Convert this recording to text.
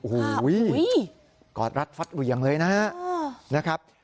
อุ้ยกอรัสรัดฟัดเหวียงเลยนะครับ